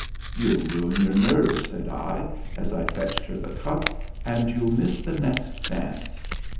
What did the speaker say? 'You'll ruin your nerves,' said I, as I fetched her the cup, 'and you'll miss the next dance.'